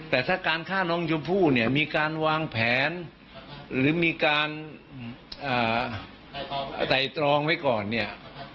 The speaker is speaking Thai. แต่ถ้าการฆ่าน้องชมพู่เนี่ยมีการวางแผนหรือมีการไต่ตรองไว้ก่อนเนี่ย